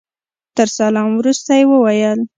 تر سلام وروسته يې وويل.